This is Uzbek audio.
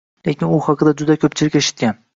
lekin u haqida juda ko’pchilik eshitgan